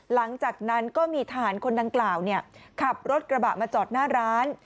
หลังจากนั้นก็มีทหารคนดังกล่าวขับรถกระบะมาจอดหน้าร้าน